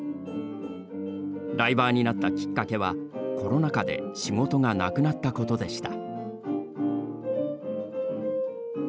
ライバーになったきっかけはコロナ禍で仕事がなくなったことでした。